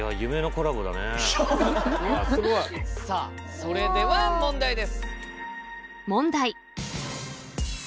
それでは問題です。